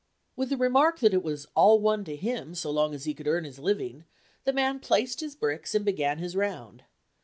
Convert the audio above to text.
With the remark that it was "all one to him, so long as he could earn his living," the man placed his bricks and began his round.